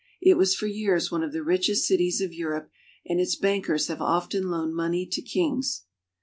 It was for years one of the richest cities of Europe, and its bankers have often loaned money to kings.